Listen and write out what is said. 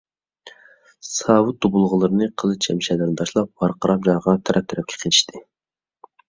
ساۋۇت - دۇبۇلغىلىرىنى، قىلىچ - شەمشەرلىرىنى تاشلاپ، ۋارقىراپ - جارقىراپ تەرەپ - تەرەپكە قېچىشتى.